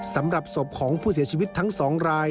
สำหรับศพของผู้เสียชีวิตทั้ง๒ราย